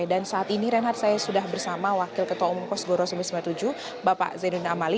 dan saat ini renhat saya sudah bersama wakil ketua umum kosgoro seribu sembilan ratus lima puluh tujuh bapak zedun amali